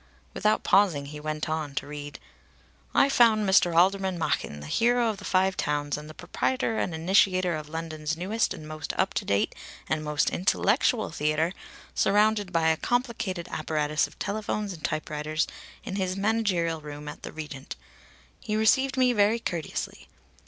Without pausing, he went on to read: "'I found Mr. Alderman Machin, the hero of the Five Towns and the proprietor and initiator of London's newest and most up to date and most intellectual theatre, surrounded by a complicated apparatus of telephones and typewriters in his managerial room at the Regent. He received me very courteously.